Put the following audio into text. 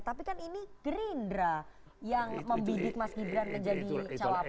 tapi kan ini gerindra yang membidik mas gibran menjadi cawapres